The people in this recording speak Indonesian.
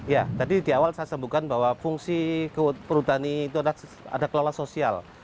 ya tadi di awal saya sebutkan bahwa fungsi perhutani itu adalah ada kelola sosial